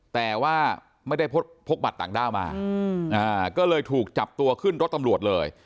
แต่ว่าไม่ได้พกบัตรต่างด้าวมาก็เลยถูกจับตัวขึ้นรถตำรวจเลย